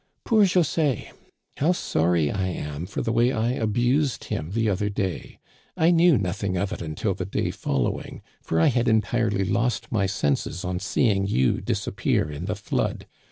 Poor José ! How sorry I am for the way I abused him the other day. I knew nothing of it until the day following, for I had entirely lost my senses on seeing you disappear in the flood.